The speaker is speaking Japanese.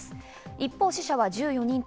一方、死者は１４人。